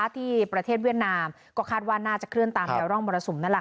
ที่ประเทศเวียดนามก็คาดว่าน่าจะเคลื่อนตามแนวร่องมรสุมนั่นแหละ